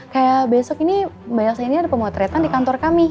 kayak besok ini mbak elsa ini ada pemotretan di kantor kami